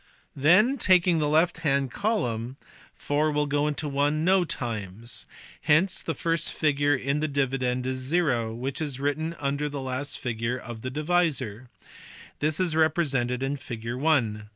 Then, taking the left hand column, 4 will PROCESSES OF DIVISION. 197 go into 1 no times, hence the first figure in the dividend is 0, which is written under the last figure of the divisor. This is represented in figure i.